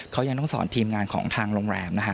เขายังต้องสอนทีมงานของทางโรงแรมนะฮะ